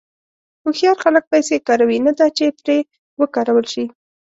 هوښیار خلک پیسې کاروي، نه دا چې پرې وکارول شي.